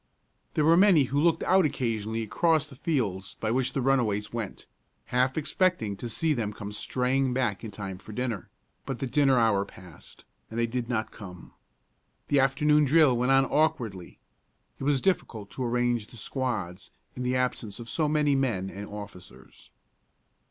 There were many who looked out occasionally across the fields by which the runaways went, half expecting to see them come straying back in time for dinner; but the dinner hour passed, and they did not come. The afternoon drill went on awkwardly. It was difficult to arrange the squads in the absence of so many men and officers.